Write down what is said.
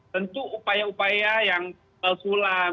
tentu upaya upaya yang sulam